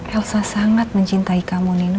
elsa sangat mencintai kamu nino